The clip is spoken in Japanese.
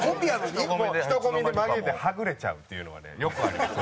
人混みに紛れてはぐれちゃうっていうのはねよくありますよ。